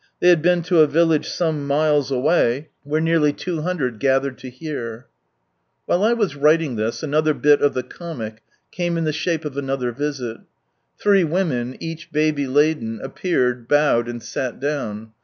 They had been to a village some miles away, where nearly two hundred gathered to liear. ... While I was writing this, another bit of the comic came in the shape of another visit. Three women, each baby laden, appeared, bowed, and sat down.